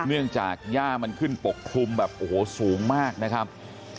เนื่องจากย่ามันขึ้นปกคลุมแบบโอ้โหสูงมากนะครับ